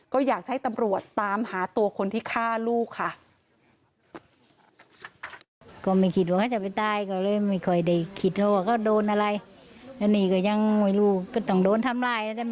ก็อยากให้ตำรวจตามหาตัวคนที่ฆ่าลูกค่ะ